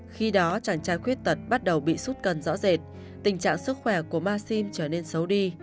khi đó chàng trai khuyết tật bắt đầu bị sút cần rõ rệt tình trạng sức khỏe của maxim trở nên xấu đi